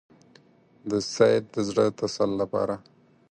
د سید د زړه تسل لپاره.